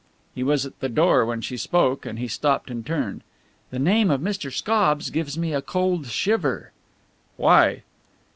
He was at the door when she spoke and he stopped and turned. "The name of Mr. Scobbs gives me a cold shiver." "Why?"